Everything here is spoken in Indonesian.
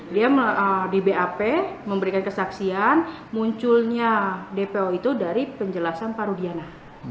dia di bap memberikan kesaksian munculnya dpo itu dari penjelasan pak rudiana